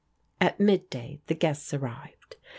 At mid day the guests arrived.